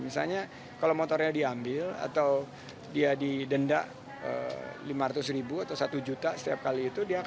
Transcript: misalnya kalau motornya diambil atau dia didenda lima ratus ribu atau satu juta setiap kali itu